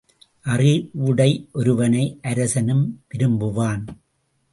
அறிவுடை ஒருவனை அரசனும் விரும்புவான்.